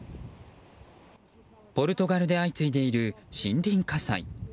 ポルトガルで相次いでいる森林火災。